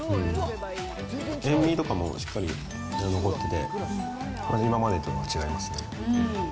塩味とかもしっかり残ってて、今までとは違いますね。